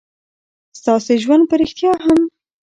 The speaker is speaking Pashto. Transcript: ستاسې ژوند په رښتيا هم